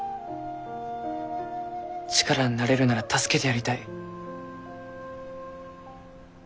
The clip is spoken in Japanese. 力になれるなら助けてやりたい。